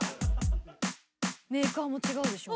メーカーも違うでしょ？